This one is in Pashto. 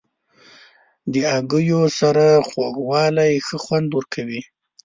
د هګیو سره خوږوالی ښه خوند ورکوي.